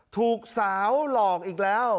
ถูกสาวหลอกอีกแล้ว